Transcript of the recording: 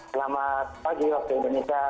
selamat pagi waktu indonesia